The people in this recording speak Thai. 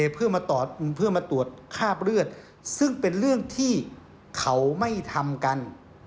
เพื่อมาตรวจคราบเลือดซึ่งเป็นเรื่องที่เขาไม่ทำกัน